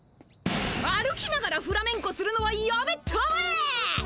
歩きながらフラメンコするのはやめたまえ！